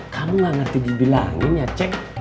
kamu gak ngerti dibilangin ya cek